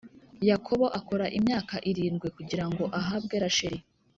Yakobo akora imyaka irindwi kugira ngo ahabwe Rasheli